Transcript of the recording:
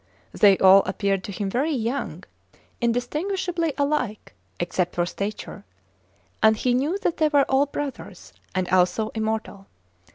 They all appeared to him very young, indistinguishably alike (except for stature), and he knew that they were all brothers, and also immortal.